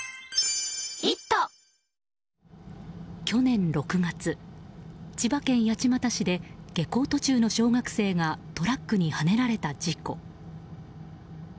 去年６月、千葉県八街市で下校途中の小学生がトラックにはねられた事故。